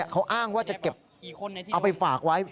เขาอ้างว่าจะเก็บเอาไปฝากไว้